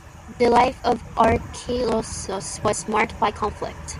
The life of Archilochus was marked by conflicts.